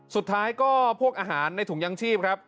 สุดท้ายก็อาหารในถุงยังชีพ